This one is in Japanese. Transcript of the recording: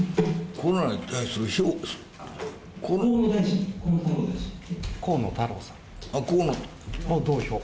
コロナに対する評価？